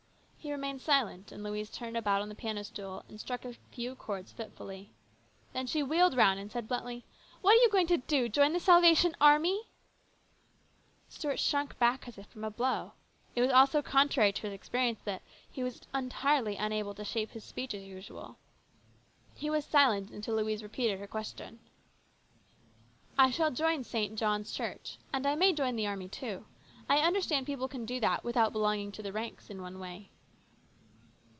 He remained silent, and Louise turned about on the piano stool and struck a few chords fitfully. Then she wheeled round and said bluntly, "What are you going to do ? Join the Salvation Army ?" Stuart shrunk back as if from a blow. It was all so contrary to his experience that he was entirely unable to shape his speech as usual. He was silent until Louise repeated her question. "I shall join St. John's Church. And I may join the army too. I understand people can do that, without belonging to the ranks, in one way."